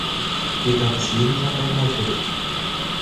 Hier gab es jeden Tag ein Motto.